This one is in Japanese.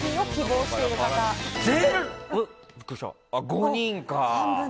５人か。